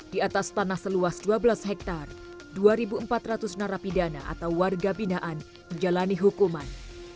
di atas tanah seluas dua belas hektare dua empat ratus narapidana atau warga binaan menjalani hukuman